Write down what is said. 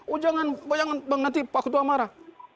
oh jangan bayangan bang nanti pak ketua marah